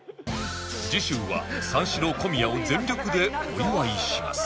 次週は三四郎小宮を全力でお祝いします